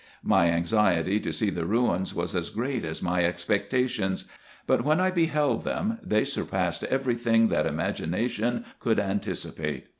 My anxiety to see the ruins was as great as my expectations ; but, when I beheld them, they sur passed every thing that imagination could anticipate.